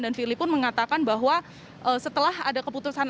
dan firly pun mengatakan bahwa setelah ada keputusan